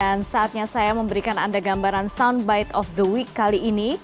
dan saatnya saya memberikan anda gambaran soundbite of the week kali ini